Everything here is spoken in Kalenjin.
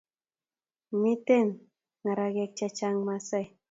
Miten ngararek che chang maasai